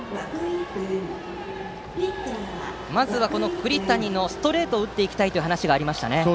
まずは栗谷のストレートを打っていきたいという話がありましたね。